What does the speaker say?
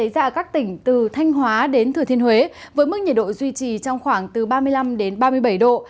ra các tỉnh từ thanh hóa đến thừa thiên huế với mức nhiệt độ duy trì trong khoảng từ ba mươi năm đến ba mươi bảy độ